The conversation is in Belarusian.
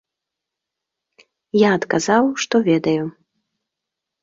Я адказаў, што ведаю.